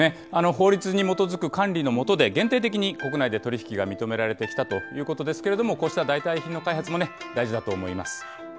法律に基づく管理の下で、限定的に国内で取り引きが認められてきたということですけれども、こうした代替品の開発も大事だと思います。